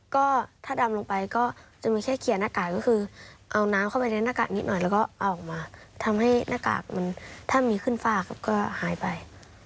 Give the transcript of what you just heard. ก็ถ้าดำลงไปก็จะมีแค่เขียนหน้ากากก็คือเอาน้ำเข้าไปในหน้ากากนิดหน่อยแล้วก็เอาออกมาทำให้หน้ากากมันถ้ามีขึ้นฝ้าครับก็หายไป